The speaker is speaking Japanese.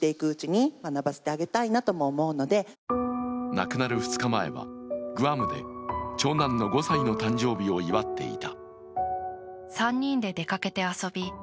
亡くなる２日前はグアムで長男の５歳の誕生日を祝っていた。